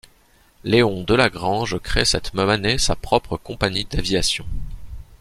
Léon Delagrange crée cette même année sa propre compagnie d'aviation.